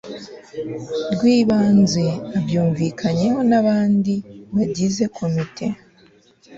rw ibanze abyumvikanyeho n abandi bagize komite